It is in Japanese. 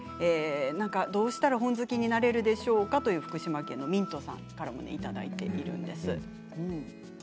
どうしたら本好きになれるでしょうかという福島県の方からもいただいています。